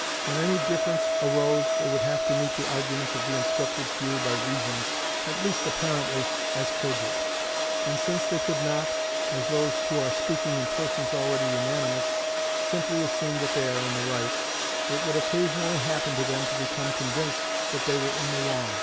When any difference arose, they would have to meet the arguments of the instructed few by reasons, at least apparently, as cogent; and since they could not, as those do who are speaking to persons already unanimous, simply assume that they are in the right, it would occasionally happen to them to become convinced that they were in the wrong.